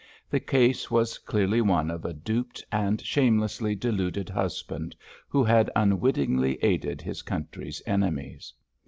The case was clearly one of a duped and shamelessly deluded husband who had unwittingly aided his country's enemies.